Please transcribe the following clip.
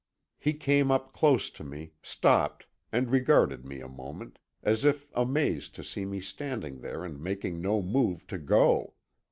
He came up close to me, stopped, and regarded me a moment, as if amazed to see me standing there and making no move to go.